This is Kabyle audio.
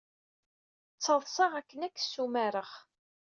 Ttaḍsaɣ akken ad k-ssumareɣ.